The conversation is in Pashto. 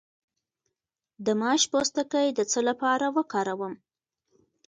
د ماش پوستکی د څه لپاره وکاروم؟